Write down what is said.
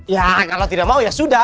ya kalau tidak mau ya sudah